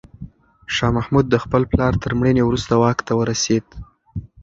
شاه محمود د خپل پلار تر مړینې وروسته واک ته ورسېد.